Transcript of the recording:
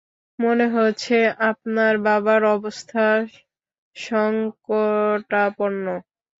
মনে হচ্ছে আপনার বাবার অবস্থা সঙ্কটাপন্ন।